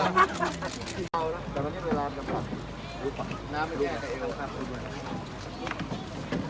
บ้าเยี่ยวบ้าเยี่ยวอ้าวต้องมีวิจุให้ได้ให้กับลูกกับหลาน